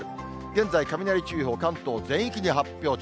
現在、雷注意報、関東全域に発表中。